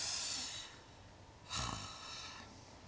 はあ。